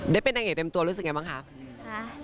ได้เป็นนางเอกเต็มตัวรู้สึกไงบ้างคะ